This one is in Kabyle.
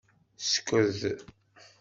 Sked.